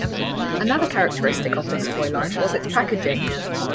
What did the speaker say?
Another characteristic of this toy line was its packaging.